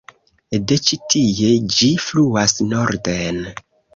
De ĉi-tie ĝi fluas norden.